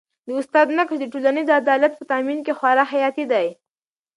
د استاد نقش د ټولنیز عدالت په تامین کي خورا حیاتي دی.